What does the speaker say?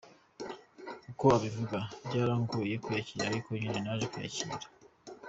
Uko abivuga, “Byarangoye kwiyakira, ariko nyine naje kwiyakira.